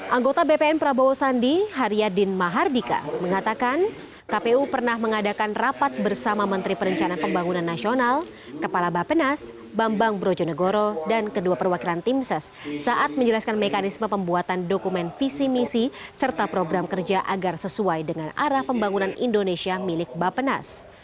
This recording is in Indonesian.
anggota bpn prabowo sandi haryadin mahardika mengatakan kpu pernah mengadakan rapat bersama menteri perencanaan pembangunan nasional kepala bapenas bambang brojonegoro dan kedua perwakilan tim ses saat menjelaskan mekanisme pembuatan dokumen visi misi serta program kerja agar sesuai dengan arah pembangunan indonesia milik bapenas